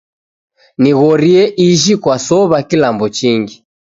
Nighorie ijhi kwasow'a kilambo chingi.